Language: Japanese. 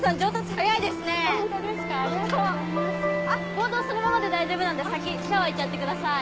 あっボードそのままで大丈夫なんで先シャワー行っちゃってください。